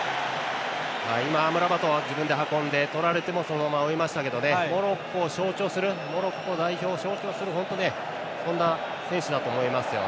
今、アムラバト自分で運んでとられてもそのままいきましたけどねモロッコ代表を象徴するそんな選手だと思います。